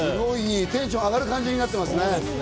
テンション上がる感じになっています。